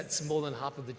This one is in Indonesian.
yang berkembang cepat